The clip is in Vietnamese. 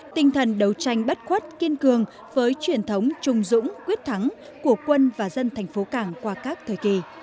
tinh thần đấu tranh bất khuất kiên cường với truyền thống trung dũng quyết thắng của quân và dân thành phố cảng qua các thời kỳ